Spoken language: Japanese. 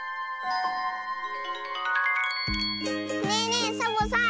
ねえねえサボさん